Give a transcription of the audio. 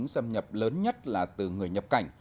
xâm nhập lớn nhất là từ người nhập cảnh